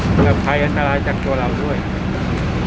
และที่เราต้องใช้เวลาในการปฏิบัติหน้าที่ระยะเวลาหนึ่งนะครับ